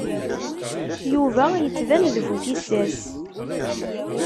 Yuba yettban d bu tissas.